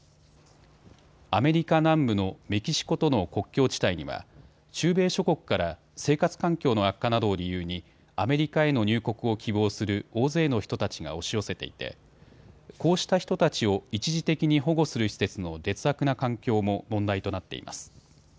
アメリカ南部のメキシコとの国境地帯には中米諸国から生活環境の悪化などを理由にアメリカへの入国を希望する大勢の人たちが押し寄せていてこうした人たちを一時的に保護する施設の劣悪な環境も問題となっています。